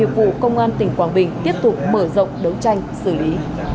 vụ công an tỉnh quảng bình tiếp tục mở rộng đấu tranh xử lý